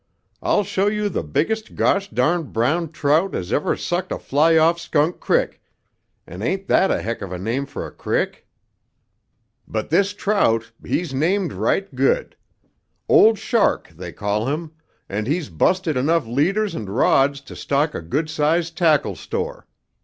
I'll show you the biggest gosh darned brown trout as ever sucked a fly off Skunk Crick, and ain't that a heck of a name for a crick? But this trout, he's named right good. Old Shark, they call him, and he's busted enough leaders and rods to stock a good sized tackle store.